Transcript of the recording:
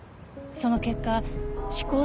その結果思考